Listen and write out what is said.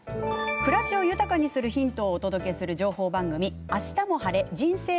暮らしを豊かにするヒントをお届けする情報番組「あしたも晴れ！